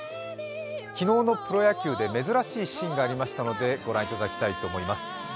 昨日のプロ野球で珍しいシーンがありましたので、ご覧いただきたいと思います。